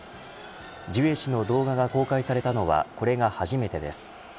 ジュエ氏の動画が公開されたのはこれが初めてです。